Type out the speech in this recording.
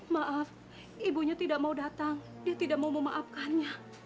maaf ibunya tidak mau datang dia tidak mau memaafkannya